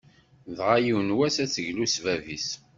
Dɣa, yiwen n wass ad teglu s bab-is.